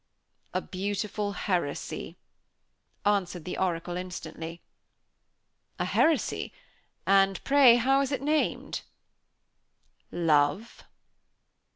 "A beautiful heresy," answered the oracle instantly. "A heresy? and pray how is it named?" "Love."